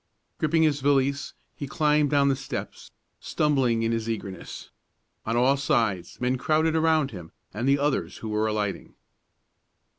Gripping his valise, he climbed down the steps, stumbling in his eagerness. On all sides men crowded around him and the others who were alighting.